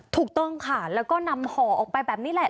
ถูกต้องค่ะแล้วก็นำห่อออกไปแบบนี้แหละ